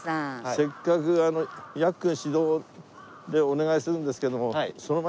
せっかくヤッくん主導でお願いするんですけども。